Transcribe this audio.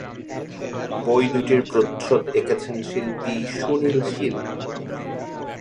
বই দুটির প্রচ্ছদ এঁকেছেন শিল্পী সুনীল শীল।